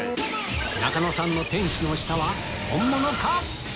仲野さんの天使の舌は本物か？